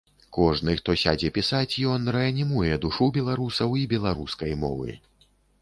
Кожны, хто сядзе пісаць, ён рэанімуе душу беларусаў і беларускай мовы.